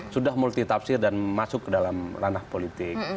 sudah multitapsir dan masuk ke dalam ranah politik